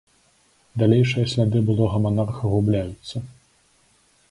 Далейшыя сляды былога манарха губляюцца.